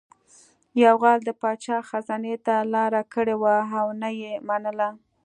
یو غل د پاچا خزانې ته لاره کړې وه او نه یې منله